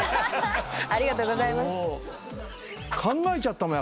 ありがとうございます。